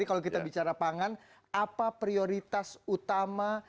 jadi kalau kita bicara pangan apa prioritas utama